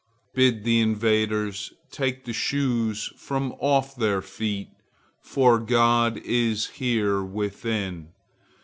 Bid the invaders take the shoes from off their feet, for God is here within.